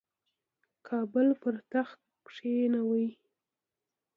کابل پر تخت کښېنوي.